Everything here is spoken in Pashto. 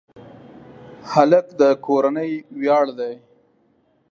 هلک د کورنۍ ویاړ دی.